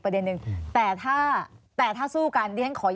ใช่